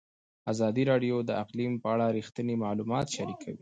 ازادي راډیو د اقلیم په اړه رښتیني معلومات شریک کړي.